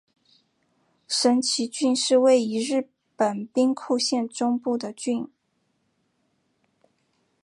神崎郡是位于日本兵库县中部的郡。